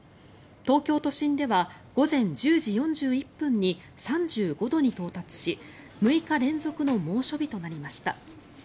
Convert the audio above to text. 東京都心では午前１０時４１分に３５度に到達し６日連続の猛暑日となりました。